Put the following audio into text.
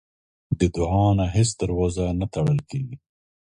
د دعا نه هیڅ دروازه نه تړل کېږي.